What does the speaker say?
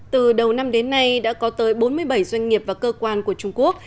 từ đầu năm đến nay đã có tới bốn mươi bảy doanh nghiệp và cơ quan của trung quốc